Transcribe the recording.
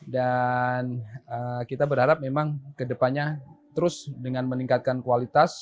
dan kita berharap memang ke depannya terus dengan meningkatkan kualitas